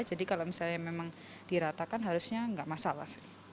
jadi kalau misalnya memang diratakan harusnya tidak masalah